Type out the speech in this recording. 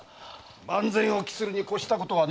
万全を期するに越したことはない。